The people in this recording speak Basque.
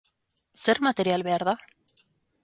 Zer material behar da?